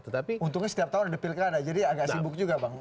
untungnya setiap tahun ada pilkada jadi agak sibuk juga bang